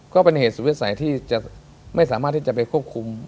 ก็เป็นเหตุสุดวิสัยที่จะไม่สามารถที่จะไปควบคุม